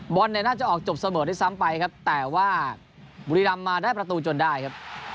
เนี่ยน่าจะออกจบเสมอด้วยซ้ำไปครับแต่ว่าบุรีรำมาได้ประตูจนได้ครับ